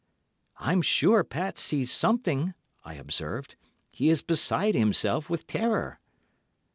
'I'm sure Pat sees something,' I observed; 'he is beside himself with terror.